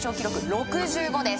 ６５です